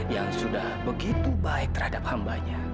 yang sudah begitu baik terhadap hambanya